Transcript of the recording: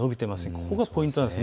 ここがポイントです。